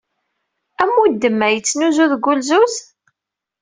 Amudem-a yettnuzu deg wulzuz?